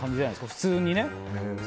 普通にね。